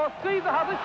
外した！